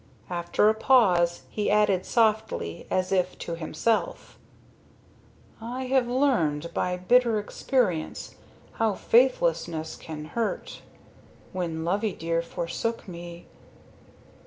After a pause he added softly as if to himself: "I have learned by bitter experience how faithlessness can hurt when Loveydear forsook me...."